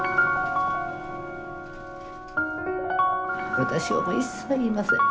私はもう一切言いません。